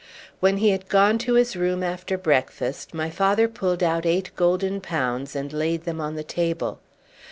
When he had gone to his room after breakfast, my father pulled out eight golden pounds and laid them on the table.